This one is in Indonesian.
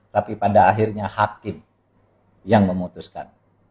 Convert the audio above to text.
tapi pada akhirnya hakim yang memutuskan